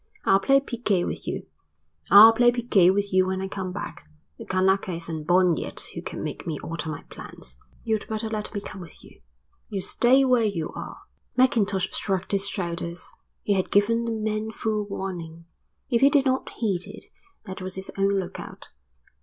I'll play piquet with you." "I'll play piquet with you when I come back. The Kanaka isn't born yet who can make me alter my plans." "You'd better let me come with you." "You stay where you are." Mackintosh shrugged his shoulders. He had given the man full warning. If he did not heed it that was his own lookout.